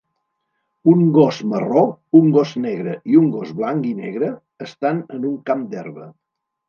Un gos marró, un gos negre i un gos blanc i negre estan en un camp d'herba.